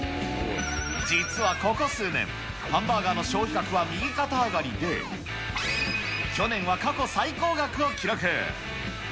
実はここ数年、ハンバーガーの消費額は右肩上がりで、去年は過去最高額を記録。